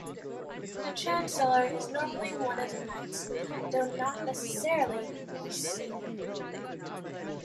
The Chancellor is normally one of the knights, though not necessarily the most senior.